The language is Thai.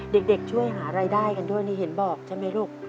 เด็กช่วยหารายได้กันด้วยนี่เห็นบอกใช่ไหมลูก